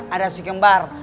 ada si kembar